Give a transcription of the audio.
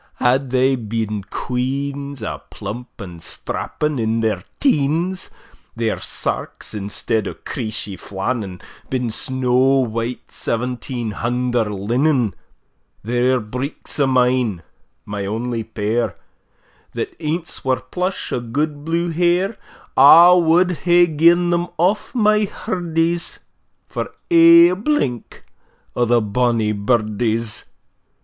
had thae been queans A' plump and strapping, in their teens: Their sarks, instead o' creeshie flannen, Been snaw white seventeen hunder linen! Thir breeks o' mine, my only pair, That ance were plush, o' gude blue hair, I wad hae gi'en them off my hurdies, For ae blink o' the bonnie burdies!